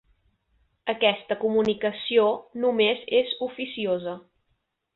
Aquesta comunicació només és oficiosa.